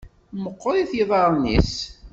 Meqqerit yiḍarren-is.